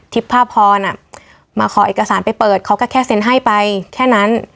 ภาพพรมาขอเอกสารไปเปิดเขาก็แค่เซ็นให้ไปแค่นั้น